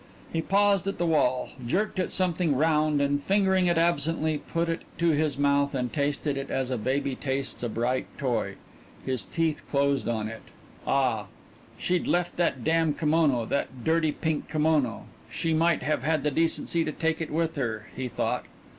He paused at the wall, jerked at something round, and, fingering it absently, put it to his mouth and tasted it as a baby tastes a bright toy. His teeth closed on it Ah! She'd left that damn kimono, that dirty pink kimono. She might have had the decency to take it with her, he thought.